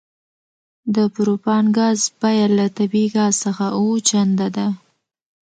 د پروپان ګاز بیه له طبیعي ګاز څخه اوه چنده ده